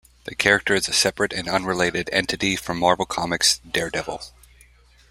The character is a separate and unrelated entity from Marvel Comics' Daredevil.